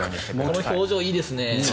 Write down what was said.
この表情いいですね。